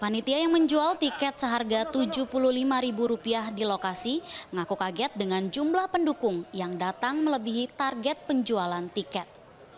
panitia yang menjual tiket seharga rp tujuh puluh lima di lokasi mengaku kaget dengan jumlah pendukung yang datang melebihi target penjualan tiket